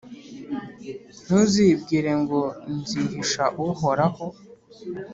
Ntuzibwire ngo «Nzihisha Uhoraho,